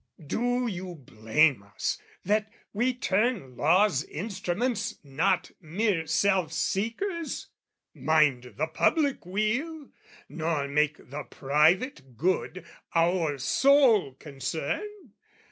Do you blame us that we turn law's instruments Not mere self seekers, mind the public weal, Nor make the private good our sole concern?